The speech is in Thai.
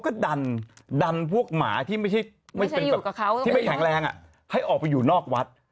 เขาก็ดันพวกหมาที่ไม่แข็งแรงให้ออกไปอยู่นอกวัด